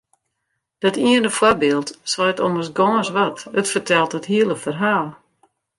Dat iene foarbyld seit ommers gâns wat, it fertelt it hiele ferhaal.